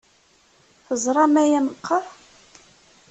Teẓram aya meqqar?